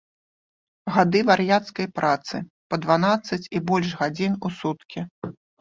Гады вар'яцкай працы па дванаццаць і больш гадзін у суткі.